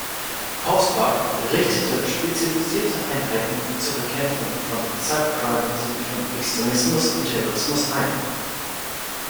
Bausback richtete spezialisierte Einheiten zur Bekämpfung von Cybercrime, sowie von Extremismus und Terrorismus ein.